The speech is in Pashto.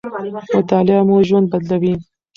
مطالعه مو ژوند بدلوي.